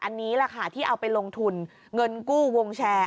อันนี้แหละค่ะที่เอาไปลงทุนเงินกู้วงแชร์